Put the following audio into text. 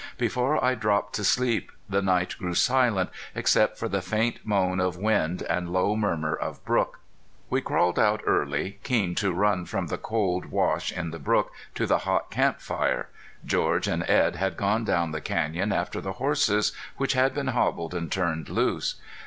Before I dropped to sleep the night grew silent, except for the faint moan of wind and low murmur of brook. We crawled out early, keen to run from the cold wash in the brook to the hot camp fire. George and Edd had gone down the canyon after the horses, which had been hobbled and turned loose.